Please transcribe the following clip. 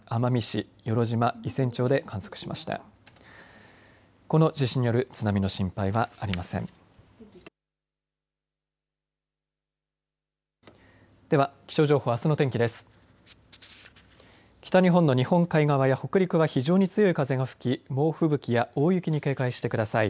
北日本の日本海側や北陸は非常に強い風が吹き猛吹雪や大雪に警戒してください。